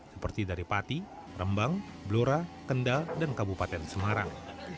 seperti dari pati rembang blora kendal dan kabupaten semarang